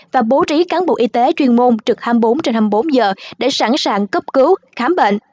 và bố trí cán bộ y tế chuyên môn trực hai mươi bốn trên hai mươi bốn giờ để sẵn sàng cấp cứu khám bệnh